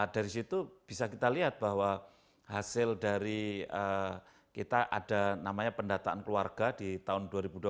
dari situ bisa kita lihat bahwa hasil dari kita ada namanya pendataan keluarga di tahun dua ribu dua puluh